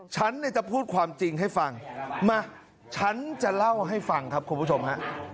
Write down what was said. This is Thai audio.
ฉันเนี่ยจะพูดความจริงให้ฟังมาฉันจะเล่าให้ฟังครับคุณผู้ชมฮะ